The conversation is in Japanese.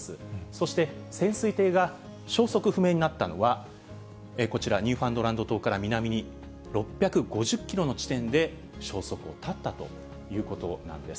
そして潜水艇が消息不明になったのは、こちら、ニューファンドランド島から南に６５０キロの地点で、消息を絶ったということなんです。